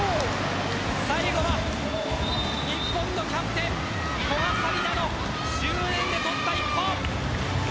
最後は日本のキャプテン古賀紗理那の執念でとった一本。